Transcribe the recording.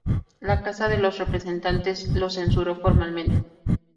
La Casa de los Representantes lo censuró formalmente.